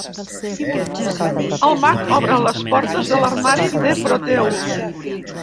El mag obre les portes de l'armari de Proteu.